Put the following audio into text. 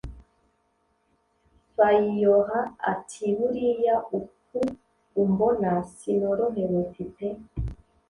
Faiora atiburiya uku umbona sinorohewe mfite